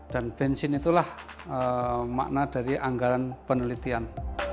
dan bensin itulah makna dari anggaran penelitian